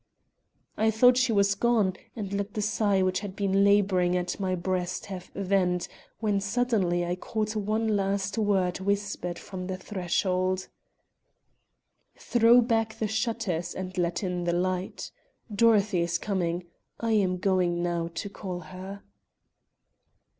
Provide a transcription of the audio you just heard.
I thought she was gone, and let the sigh which had been laboring at my breast have vent, when suddenly I caught one last word whispered from the threshold: "Throw back the shutters and let in the light. Dorothy is coming. I am going now to call her."